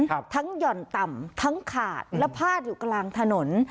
ครับทั้งหย่อนต่ำทั้งขาดและพาดอยู่กลางถนน